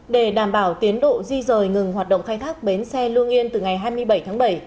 để đảm bảo tiến độ di rời ngừng hoạt động khai thác bến xe lương yên từ ngày hai mươi bảy tháng bảy